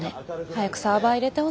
早くサーバー入れてほしいな。